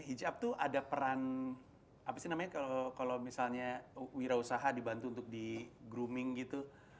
hijab tuh ada peran apa sih namanya kalau misalnya wira usaha dibantu untuk di grooming gitu